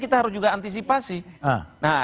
kita harus juga antisipasi nah